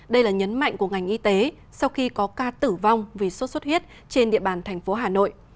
đây là nhấn mạnh của ngành y tế sau khi có ca tử vong vì sốt xuất huyết trên địa bàn thành phố hà nội